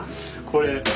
これ。